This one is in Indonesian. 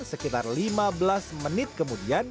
sekitar lima belas menit kemudian